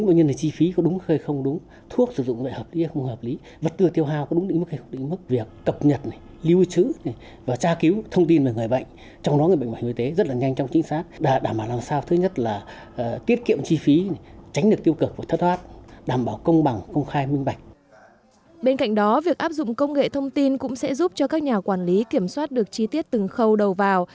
bên cạnh đó việc áp dụng công nghệ thông tin cũng sẽ giúp cho các nhà quản lý kiểm soát được chi tiết từng khâu đầu vào